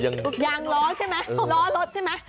ยางล้อใช่ไหมล้อรถใช่ไหม